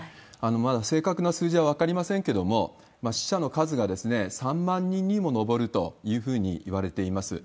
まだ正確な数字は分かりませんけれども、死者の数が３万人にも上るというふうにいわれています。